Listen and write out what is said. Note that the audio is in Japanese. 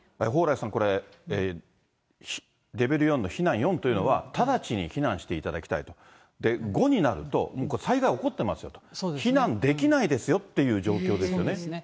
蓬莱さん、これ、レベル４の避難４というのは、直ちに避難していただきたいと、５になると、これ、災害起こってますよと、避難できないですよという状況ですよね。